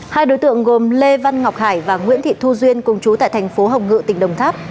hai đối tượng gồm lê văn ngọc hải và nguyễn thị thu duyên cùng chú tại thành phố hồng ngự tỉnh đồng tháp